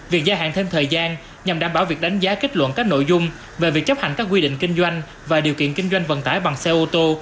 việc gia hạn thêm thời gian nhằm đảm bảo việc đánh giá kết luận các nội dung về việc chấp hành các quy định kinh doanh và điều kiện kinh doanh vận tải bằng xe ô tô